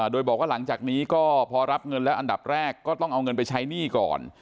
โดยบอกว่าหลังจากนี้ก็พอรับเงินแล้วอันดับแรกก็ต้องเอาเงินไปใช้หนี้ก่อน